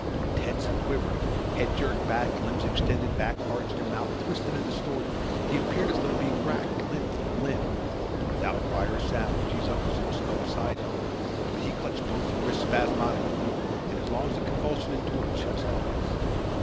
Tense and quivering, head jerked back, limbs extended, back arched and mouth twisted and distorted, he appeared as though being racked limb from limb. Without cry or sound, Jees Uck was in the snow beside him; but he clutched both her wrists spasmodically, and as long as the convulsion endured she was helpless.